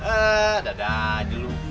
eh dadah aja lu